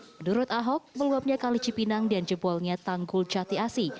menurut ahok meluapnya kalijipinang dan jebolnya tanggul jati asi